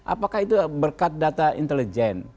apakah itu berkat data intelijen